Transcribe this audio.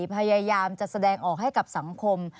พยายามจะแสดงออกให้กับสังคม